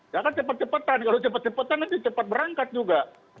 ya kan cepat cepatan kalau cepat cepatan nanti cepat berangkat juga